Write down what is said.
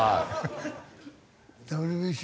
ＷＢＣ。